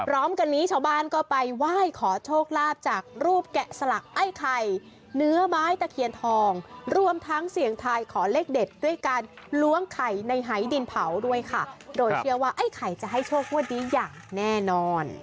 ล้วงไข่ในหายดินเผาด้วยค่ะโดยเชื่อว่าไอ้ไข่จะให้โชคว่าดีอย่างแน่นอน